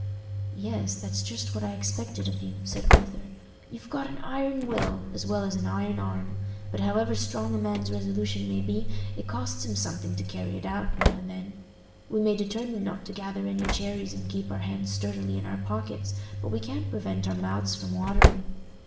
"Yes, that's just what I expected of you," said Arthur. "You've got an iron will, as well as an iron arm. But however strong a man's resolution may be, it costs him something to carry it out, now and then. We may determine not to gather any cherries and keep our hands sturdily in our pockets, but we can't prevent our mouths from watering."